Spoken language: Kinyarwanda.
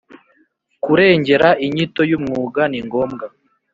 Kurengera inyito y umwuga ningombwa